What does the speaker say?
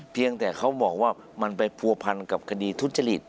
เพียงแต่เขาบอกว่ามันไปผัวพันกับคดีทุจริต